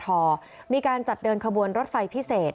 ที่ปริมรธนะฝทนี้มีการจัดเดินขบวนรถไฟพิเศษ